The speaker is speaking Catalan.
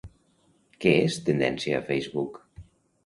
Què és tendència a Facebook?